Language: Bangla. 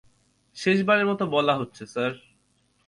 শেষ বারের মতো বলা হচ্ছে, স্যার।